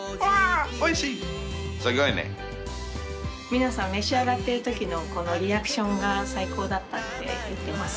皆さん召し上がってるときのリアクションが最高だったって言ってます。